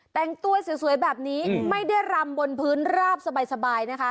แต่งตัวสวยแบบนี้ไม่ได้รำบนพื้นราบสบายนะคะ